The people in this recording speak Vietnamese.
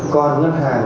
còn ngân hàng